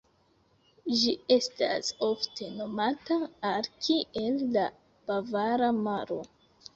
Ĝi estas ofte nomata al kiel la "Bavara Maro".